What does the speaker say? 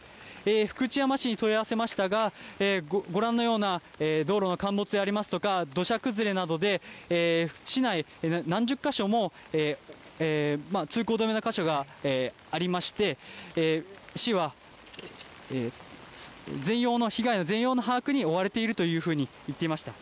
福知山市に問い合わせましたが、ご覧のような道路の陥没でありますとか、土砂崩れなどで、市内、何十か所も通行止めの箇所がありまして、市は被害の全容の把握に追われているというふうにいっていました。